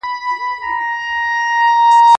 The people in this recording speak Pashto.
زما کار نسته کلیسا کي، په مسجد، مندِر کي.